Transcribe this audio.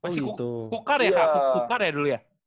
masih kukar ya kukar ya dulu ya